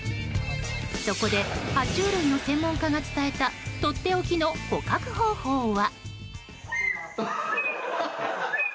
そこで爬虫類の専門家が伝えたとっておきの捕獲方法は。